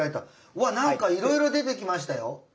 うわ何かいろいろ出てきましたよ。